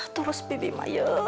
terus bibi mah ya